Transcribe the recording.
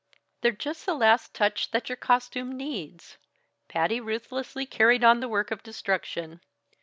"They're just the last touch that your costume needs." Patty ruthlessly carried on the work of destruction.